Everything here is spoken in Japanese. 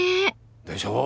でしょう？